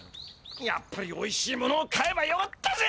やっぱりおいしいものを買えばよかったぜ！